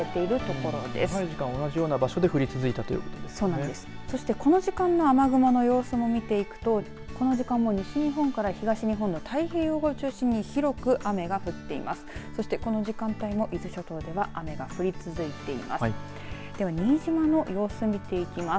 この時間の雨雲の様子を見ていくとこの時間も西日本から東日本の太平洋側を中心に広く雨が降っています。